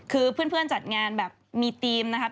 คือเพื่อนจัดงานแบบมีธีมนะครับ